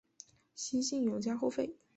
西晋永嘉后废。